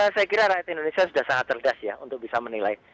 saya kira rakyat indonesia sudah sangat cerdas ya untuk bisa menilai